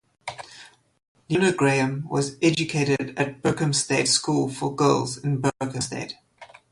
Leona Graham was educated at Berkhamsted School for Girls in Berkhamsted.